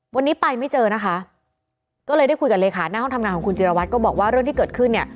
วันนี้ไปไม่เจอนะคะก็เลยได้คุยกับเลขาหน้าห้องทำงานของคุณจิรวัตรก็บอกว่าเรื่องที่เกิดขึ้นเนี่ย